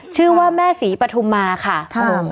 ชื่อว่าแม่ศรีปฐุมมาค่ะครับผม